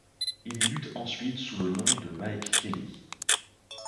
Il y lutte ensuite sous le nom de Mike Kelly.